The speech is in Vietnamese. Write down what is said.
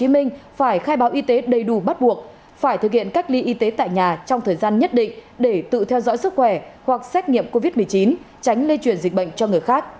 hải biết rõ người về từ tp hcm phải khai báo y tế đầy đủ bắt buộc phải thực hiện cách ly y tế tại nhà trong thời gian nhất định để tự theo dõi sức khỏe hoặc xét nghiệm covid một mươi chín tránh lây chuyển dịch bệnh cho người khác